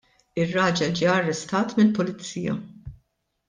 Ir-raġel ġie arrestat mill-pulizija.